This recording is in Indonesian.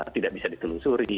tidak bisa ditelusuri